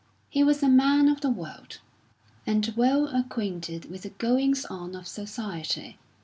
He was a man of the world, and well acquainted with the goings on of society.